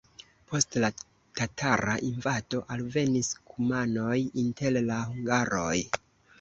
Post la tatara invado alvenis kumanoj inter la hungarojn.